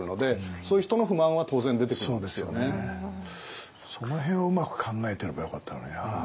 その辺をうまく考えてればよかったのにな。